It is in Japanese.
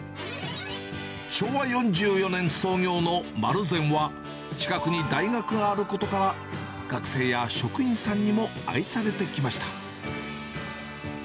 昭和４４年創業の丸善は、近くに大学があることから、学生や職員さんにも愛されてきました。